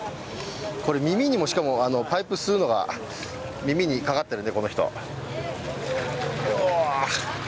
これ耳にも、しかもパイプ吸うのが耳にかかってるね。